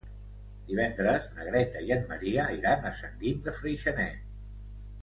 Divendres na Greta i en Maria iran a Sant Guim de Freixenet.